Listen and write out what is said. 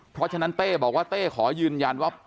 เพราะฉะนั้นเต้บอกว่าเต้ขอยืนยันว่า